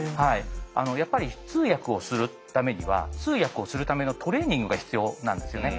やっぱり通訳をするためには通訳をするためのトレーニングが必要なんですよね。